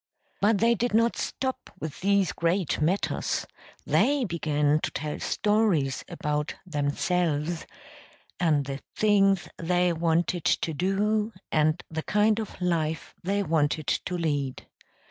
But they did not stop with these great matters; they began to tell stories about themselves and the things they wanted to do and the kind of life they wanted to lead.